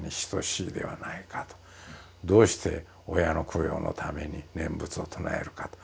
どうして親の供養のために念仏を唱えるかと。